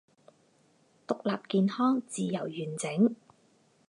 独立健康自由完整